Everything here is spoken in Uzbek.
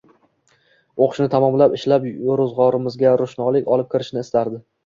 O`qishni tamaomlab, ishlab ro`zg`orimizga ro`shnolik olib kirishni istardi